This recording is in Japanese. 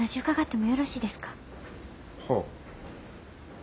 はあ。